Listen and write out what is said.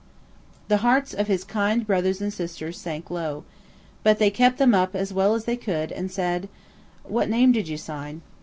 The hearts of his kind brothers and sisters sank low. But they kept them up as well as they could, and said– "What name did you sign?"